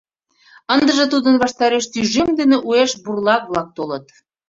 Ындыже тудын ваштареш тӱжем дене уэш бурлак-влак толыт.